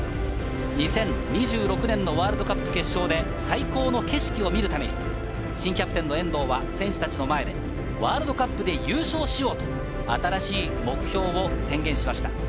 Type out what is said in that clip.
２０２６年のワールドカップ決勝で最高の景色を見るために、新キャプテンの遠藤は選手たちの前でワールドカップで優勝しようと、新しい目標を宣言しました。